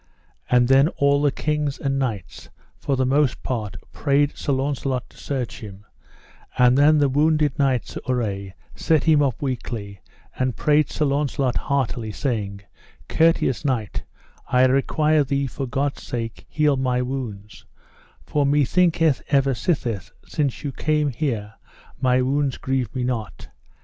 And then all the kings and knights for the most part prayed Sir Launcelot to search him; and then the wounded knight, Sir Urre, set him up weakly, and prayed Sir Launcelot heartily, saying: Courteous knight, I require thee for God's sake heal my wounds, for methinketh ever sithen ye came here my wounds grieve me not.